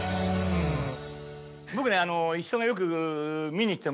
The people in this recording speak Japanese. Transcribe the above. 僕ね。